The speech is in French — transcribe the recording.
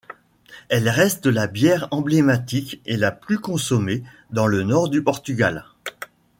Elle reste la bière emblématique et la plus consommée dans le Nord du Portugal.